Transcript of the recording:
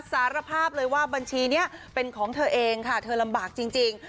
สารภาพเลยว่าบัญชีนี้เป็นของเธอเองค่ะเธอลำบากจริง